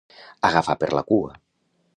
Agafar per la cua.